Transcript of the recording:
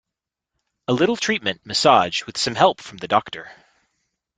A little treatment, massage, with some help from the doctor.